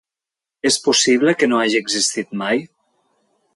És possible que no hagi existit mai?